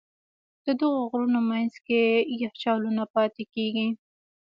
د غرونو منځ کې یخچالونه پاتې کېږي.